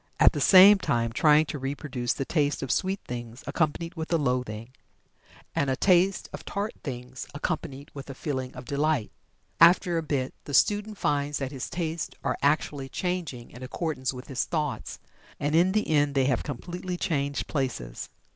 at the same time trying to reproduce the taste of sweet things accompanied with a loathing, and a taste of tart things, accompanied with a feeling of delight. After a bit the student finds that his tastes are actually changing in accordance with his thoughts, and in the end they have completely changed places.